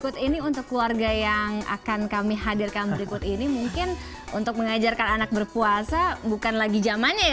berikut ini untuk keluarga yang akan kami hadirkan berikut ini mungkin untuk mengajarkan anak berpuasa bukan lagi jamannya ya